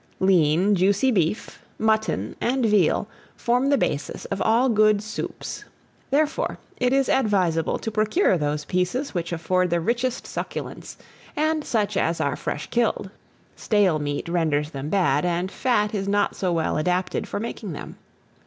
LEAN, JUICY BEEF, MUTTON, AND VEAL, form the basis of all good soups; therefore it is advisable to procure those pieces which afford the richest succulence, and such as are fresh killed. Stale meat renders them bad, and fat is not so well adapted for making them.